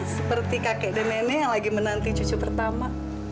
seperti kakek dan nenek yang lagi menanti cucu pertama